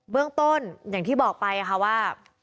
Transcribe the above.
เรื่องต้นอย่างที่บอกไปค่ะว่า